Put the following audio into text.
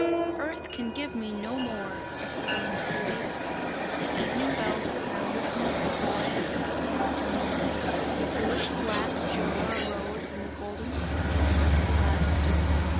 "Earth can give me no more!" exclaimed Rudy. The evening bells resounded from the Savoy and Swiss mountains; the bluish black Jura arose in golden splendour towards the west.